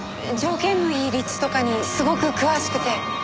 条件のいい立地とかにすごく詳しくて。